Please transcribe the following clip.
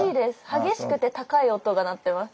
激しくて高い音が鳴ってます。